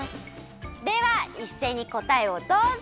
ではいっせいにこたえをどうぞ。